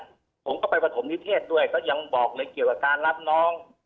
ผมก็ไปประถมนิเทศด้วยก็ยังบอกเลยเกี่ยวกับการรับน้อง